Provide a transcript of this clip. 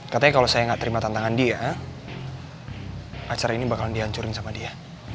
katanya kalau saya gak terima tantangan dia acara ini bakal di ancurin sama dia